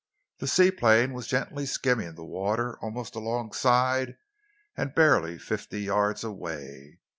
The seaplane was gently skimming the water almost alongside, and barely fifty yards away.